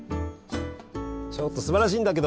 ちょっとすばらしいんだけど。